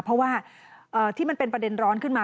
เพราะว่าที่มันเป็นประเด็นร้อนขึ้นมา